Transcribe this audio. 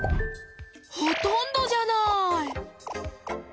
ほとんどじゃない！